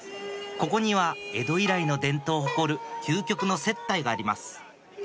ここには江戸以来の伝統を誇る究極の接待があります